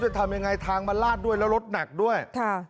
ทำยังไงทางมันลาดด้วยแล้วรถหนักด้วย